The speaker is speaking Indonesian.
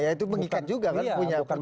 itu mengikat juga kan punya dapat